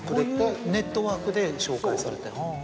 そういうネットワークで紹介されて。